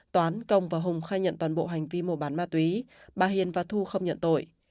toán công và hùng khai nhận toàn bộ hành vi mua bán ma túy bà hiền và thu không nhận tội